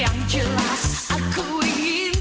yang jelas aku ingin